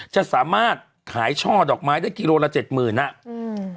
จะสามารถขายช่อดอกไม้ได้กิโลละ๗๐๐๐๐บาท